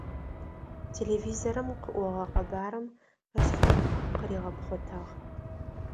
Телевизорым къыӏогъэ къэбарым ышъхьэ къыригъэпхъотагъ.